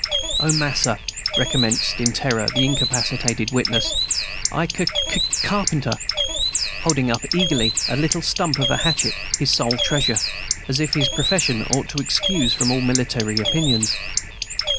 "O mas'r," recommenced in terror the incapacitated wit ness, "I c c carpenter!" holding up eagerly a little stump of a hatchet, his sole treasure, as if his profession ought to excuse from all military opinions.